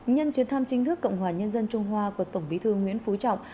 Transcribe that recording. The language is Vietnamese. nhân chuyến thăm chính thức cộng hòa nhân dân trung hoa của tổng bí thư nguyễn phú trọng